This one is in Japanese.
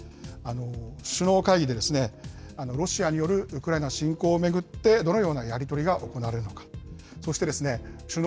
首脳会議でロシアによるウクライナ侵攻を巡って、どのようなやり取りが行われるのか、そして首脳